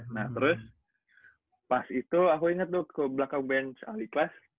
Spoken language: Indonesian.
nah terus pas itu aku inget lu ke belakang bench aliklas